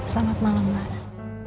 selamat malam mas